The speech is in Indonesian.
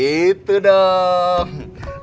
memerlihatkan cutinya iferi angkat